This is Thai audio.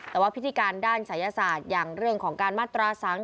แต่ว่าพิธีการด้านศัยศาสตร์อย่างเรื่องของการมาตราสัง